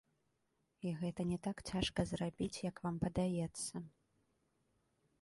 І гэта не так цяжка зрабіць, як вам падаецца.